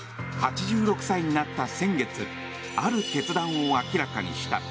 ８６歳になった先月ある決断を明らかにした。